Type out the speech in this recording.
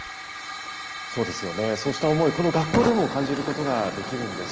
そうですよね、そうした思い、この学校でも感じることができるんです。